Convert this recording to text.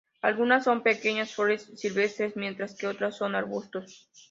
Algunas son pequeñas flores silvestres, mientras que otras son arbustos.